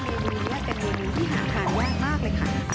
เมนูนี้เป็นเมนูที่หาทานยากมากเลยค่ะ